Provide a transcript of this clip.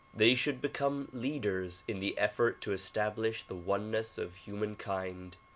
They should become leaders in the effort to establish the oneness of humankind.